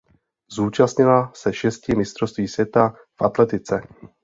Zúčastnila se šesti mistrovství světa v atletice.